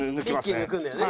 一気に抜くんだよね。